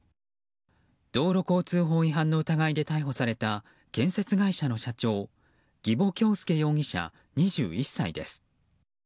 道路交通法違反の疑いで逮捕された建設会社の社長儀保容疑者、２１歳です。